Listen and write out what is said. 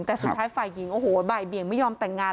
แต่สุดท้ายฝ่ายหญิงโอ้โหบ่ายเบี่ยงไม่ยอมแต่งงาน